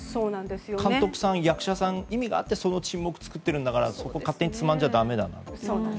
監督さん、役者さんは意味があってその沈黙を作ってるんだからそこを勝手につまんじゃだめですよね。